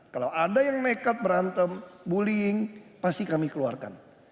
kalau ada yang nekat berantem bullying pasti kami keluarkan